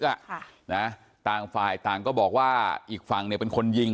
อ่ะค่ะนะต่างฝ่ายต่างก็บอกว่าอีกฝั่งเนี่ยเป็นคนยิง